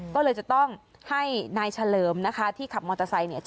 ก็เลยจะต้องให้นายเฉลิมที่ขับมอเตอร์ไซน์